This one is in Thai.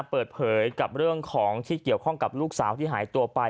เปิดเผยกับเรื่องของที่เกี่ยวข้องกับลูกสาวที่หายตัวไป